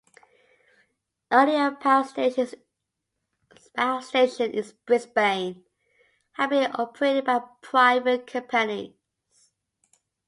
Earlier power stations in Brisbane had been operated by private companies.